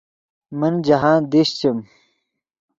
من جاہند دیشچیم